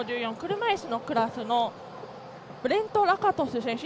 車いすのクラスのブレント・ラカトシュ選手。